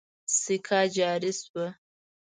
سکه جاري شوه.